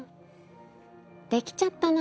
出来ちゃったな。